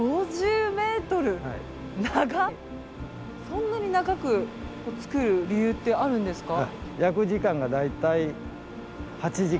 そんなに長く作る理由ってあるんですか？